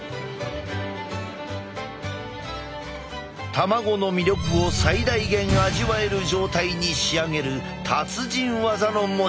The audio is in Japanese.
卵の魅力を最大限味わえる状態に仕上げる達人技の持ち主だ。